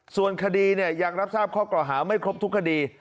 ส่วนคดีเนี่ยยังรับทราบข้อเกราะหาไม่ครบทุกคดี